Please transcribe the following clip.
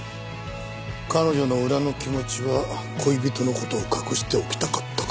彼女の裏の気持ちは「恋人の事を隠しておきたかった」か。